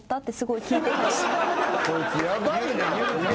・こいつヤバいな。